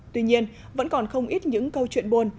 tuy nhiên vẫn còn không ít những câu chuyện buồn